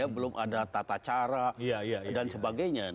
belum ada tata cara dan sebagainya